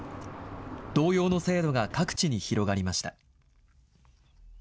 同様の制度が各地に広がりました。